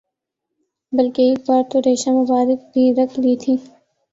بلکہ ایک بار تو ریشہ مبارک بھی رکھ لی تھی